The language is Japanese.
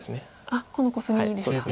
あっこのコスミですか。